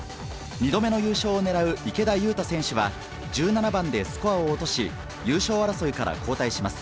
２度目の優勝を狙う池田勇太選手は、１７番でスコアを落とし、優勝争いから後退します。